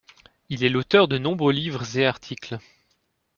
Il est l'auteur de nombreux livres et articles.